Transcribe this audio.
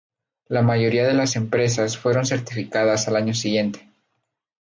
La mayoría de las empresas fueron certificadas al año siguiente.